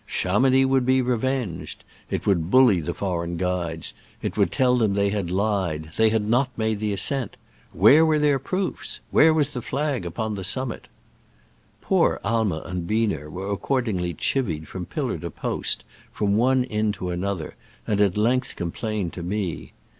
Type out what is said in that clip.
Chamounix would be revenged ! It would bully the foreign guides : it would tell them they had lied— ^they had not made the ascent ! Where were their proofs ? Where was the flag upon the summit ? Poor Aimer and Biener were accord ingly chivied from pillar to post, from one inn to another, and at length com plained to me.